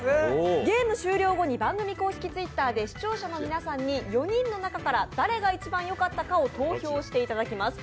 ゲーム終了後に番組公式Ｔｗｉｔｔｅｒで視聴者の皆さんに４人の中から誰が一番よかったかを投票していただきます。